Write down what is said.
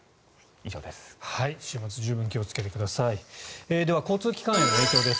以上です。